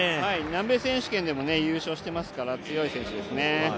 南米選手権でも優勝していますから強い選手ですね。